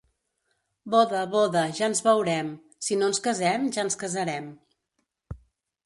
Boda, boda, ja ens veurem; si no ens casem, ja ens casarem.